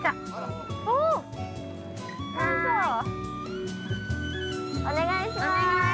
お願いします。